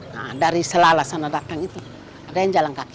nah dari selalas sana datang itu ada yang jalan kaki